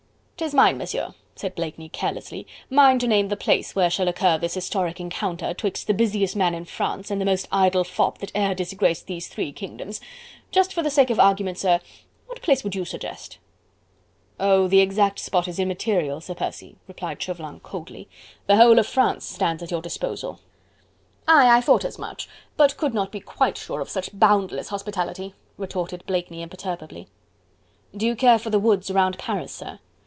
"'Tis mine, Monsieur," said Blakeney carelessly, "mine to name the place where shall occur this historic encounter, 'twixt the busiest man in France and the most idle fop that e'er disgraced these three kingdoms.... Just for the sake of argument, sir, what place would you suggest?" "Oh! the exact spot is immaterial, Sir Percy," replied Chauvelin coldly, "the whole of France stands at your disposal." "Aye! I thought as much, but could not be quite sure of such boundless hospitality," retorted Blakeney imperturbably. "Do you care for the woods around Paris, sir?"